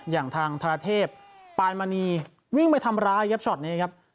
อย่างทางธรเทพปานมณีวิ่งไปทำร้ายครับช็อตนี้ครับ